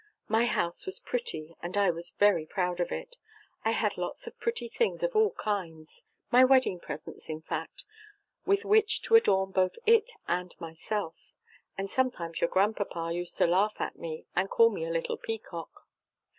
My house was pretty, and I was very proud of it; I had lots of pretty things of all kinds my wedding presents in fact with which to adorn both it and myself, and sometimes your Grandpapa used to laugh at me, and call me a little peacock.